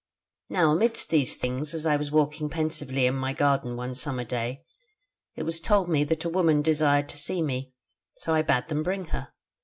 "Now amidst these things as I was walking pensively in my garden one summer day, it was told me that a woman desired to see me, so I bade them bring her.